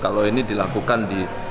kalau ini dilakukan di